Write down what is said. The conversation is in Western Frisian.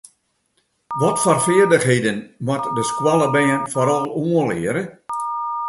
Watfoar feardichheden moat de skoalle bern foaral oanleare?